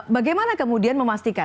bagaimana kemudian memastikan